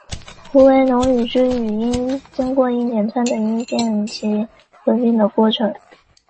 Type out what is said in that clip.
虎尾垄语之语音经过一连串的音变及合并过程。